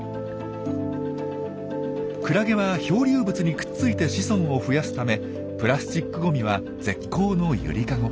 クラゲは漂流物にくっついて子孫を増やすためプラスチックゴミは絶好の揺りかご。